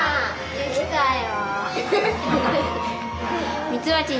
できたよ。